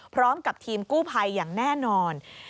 พร้อมกับทีมกู้ภัยอย่างแน่นอน